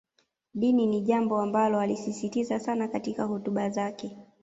Dini ni jambo ambalo alisisitiza sana katika hotuba zake